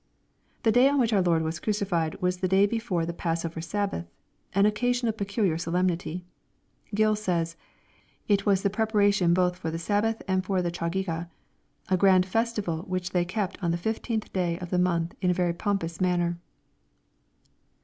] The day on which our Lord was crucified was the day before the Passover Sabbath, an occasion of peculiar solemnity. Gill says, " It was the preparation both for the Sab bath and for the Ciiagigah, — a grand festival which they kept on the fifteenth day of the month in a very pompous manner."